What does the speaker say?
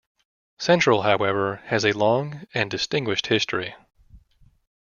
Central, however, has a long and distinguished history.